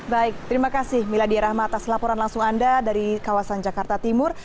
baik terima kasih miladia rahma atas laporan langsung anda dari kawasan jakarta timur